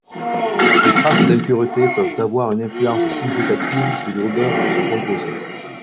Des traces d'impuretés peuvent avoir une influence significative sur l'odeur de ce composé.